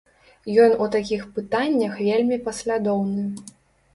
Ён у такіх пытаннях вельмі паслядоўны.